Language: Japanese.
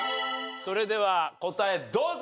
それでは答えどうぞ！